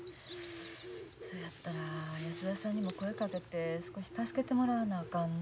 そやったらやすださんにも声かけて少し助けてもらわなあかんな。